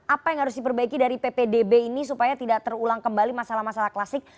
apa yang harus diperbaiki dari ppdb ini supaya tidak terulang kembali masalah masalah klasik